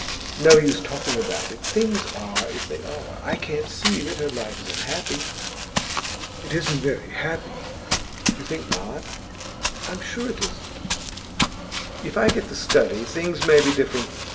'No use talking about it. Things are as they are. I can't see that her life is unhappy.' 'It isn't very happy.' 'You think not?' 'I'm sure it isn't.' 'If I get The Study things may be different.